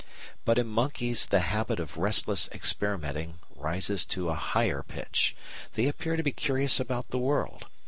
But in monkeys the habit of restless experimenting rises to a higher pitch. They appear to be curious about the world.